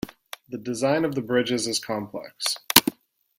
The design of the bridges is complex.